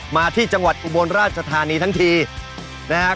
มาที่จังหวัดอุบลราชธานีทั้งทีนะครับ